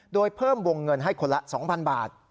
โดยเพิ่มวงเงินให้คนละ๒๐๐๐บาท